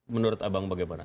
menurut abang bagaimana